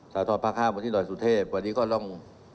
สถานทอดภักรห้ามวลที่หน่อยสุเทพฯวันนี้ก็ต้อง